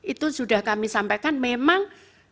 itu sudah kami sampaikan memang